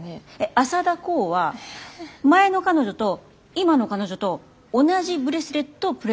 浅田航は前の彼女と今の彼女と同じブレスレットをプレゼントした。